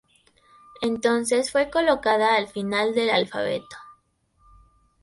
Entonces fue colocada al final del alfabeto.